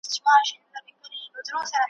درته په قهر خدای او انسان دی ,